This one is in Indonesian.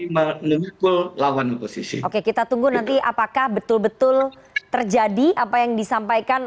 memukul lawan oposisi oke kita tunggu nanti apakah betul betul terjadi apa yang disampaikan